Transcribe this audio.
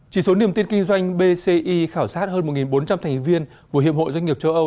chỉ số niềm tin kinh doanh bci khảo sát hơn một bốn trăm linh thành viên của hiệp hội doanh nghiệp châu âu